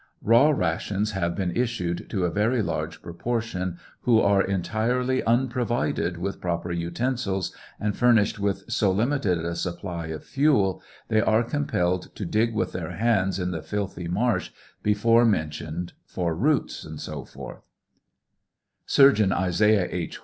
Eaw rations have been issued to a very lar^e proportion who are entirely unprovided with proper utensils and furnished with so limited a supply of fuel, they are compelled to dig with their hands in the filthy marsh before mentioned i»r roots, &c. Surgeon Isaiah H.